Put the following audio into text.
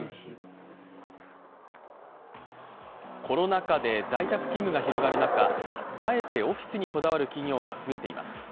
コロナ禍で在宅勤務が広がる中あえてオフィスにこだわる企業が増えています。